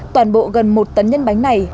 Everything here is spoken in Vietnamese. toàn bộ gần một tấn nhân bánh này